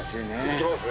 いきます？